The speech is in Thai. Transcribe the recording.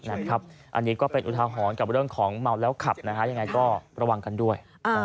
อันนี้ก็เป็นอุทาหรณ์กับเรื่องของเมาแล้วขับยังไงก็ระวังกันด้วย